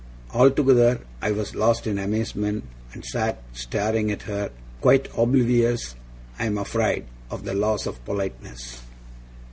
Altogether I was lost in amazement, and sat staring at her, quite oblivious, I am afraid, of the laws of politeness.